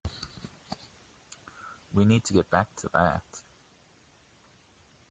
We need to get back to that.